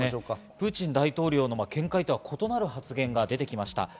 プーチン大統領の見解と異なる発言が出てきました。